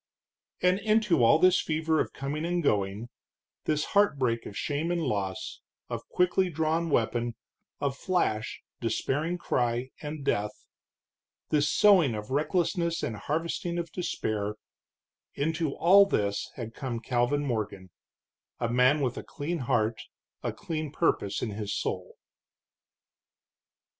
And into all this fever of coming and going, this heartbreak of shame and loss, of quickly drawn weapon, of flash, despairing cry, and death this sowing of recklessness and harvesting of despair into all this had come Calvin Morgan, a man with a clean heart, a clean purpose in his soul.